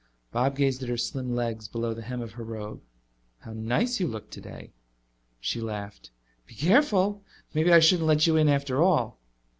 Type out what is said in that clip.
Bob gazed at her slim legs below the hem of the robe. "How nice you look today." She laughed. "Be careful! Maybe I shouldn't let you in after all."